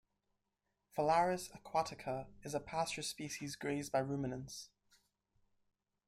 "Phalaris aquatica" is a pasture species grazed by ruminants.